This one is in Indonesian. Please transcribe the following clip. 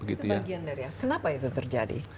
itu bagian dari kenapa itu terjadi